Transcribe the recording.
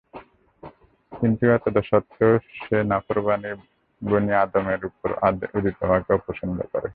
কিন্তু এতদসত্ত্বেও সে নাফরমান বনী আদমের উপর উদিত হওয়াকে অপছন্দ করে।